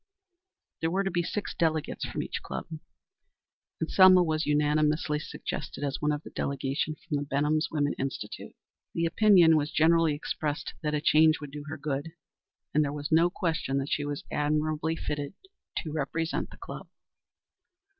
There were to be six delegates from each club, and Selma was unanimously selected as one of the delegation from the Benham Women's Institute. The opinion was generally expressed that a change would do her good, and there was no question that she was admirably fitted to represent the club.